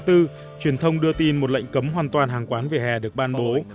truyền thông đưa tin một lệnh cấm hoàn toàn hàng quán về hè được ban bố